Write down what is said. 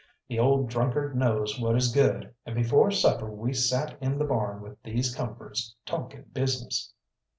The old drunkard knows what is good, and before supper we sat in the barn with these comforts talking business.